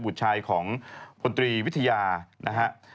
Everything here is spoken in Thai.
บุตรชายของพลตรีวิทยานะฮะ